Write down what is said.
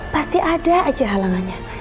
pasti ada aja halangannya